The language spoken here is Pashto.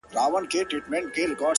• ورته یاد سي خپل اوږده لوی سفرونه ,